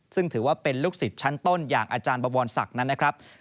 ซึ่งถือว่าเป็นลูกศิษย์ชั้นต้นอย่างอาจารย์บวรศักดิ์นั้นนะครับ